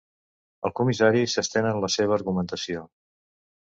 El comissari s'estén en la seva argumentació.